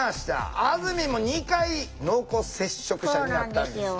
あずみんも２回濃厚接触者になったんです。